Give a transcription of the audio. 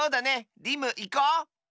リムいこう！